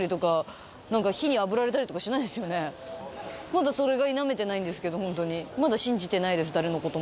まだそれが否めてないんですけどホントに。